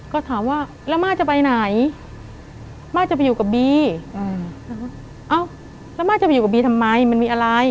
ก็ถามว่าแล้วม่าจะไปไหนม่าจะไปอยู่กับบีอืมเอ้าแล้วม่าจะไปอยู่กับบีทำไมมันมีอะไร